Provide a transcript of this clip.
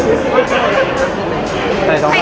พี่ทำด้วย